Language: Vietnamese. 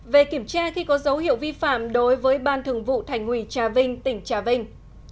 một về kiểm tra khi có dấu hiệu vi phạm đối với ban thường vụ thành ủy trà vinh tỉnh trà vinh